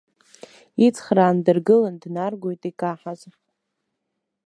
Ицхраан, дыргылан днаргоит икаҳаз.